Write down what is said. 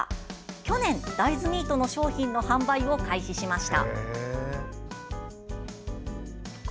去年、大豆ミート商品の販売を開始しました。